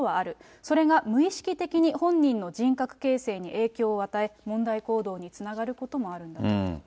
それが無意識的に本人の人格形成に影響を与え、問題行動につながることもあるんだと。